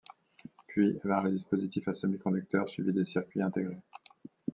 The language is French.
Puis, vinrent les dispositifs à semi-conducteurs, suivis des circuits intégrés.